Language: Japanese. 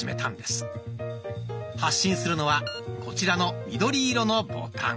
発信するのはこちらの緑色のボタン。